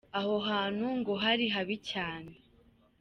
Aho hantu ngo ho hari habi cyane.